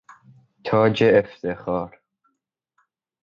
تاج افتخار